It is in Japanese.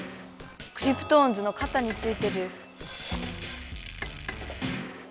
クリプトオンズのかたについてる。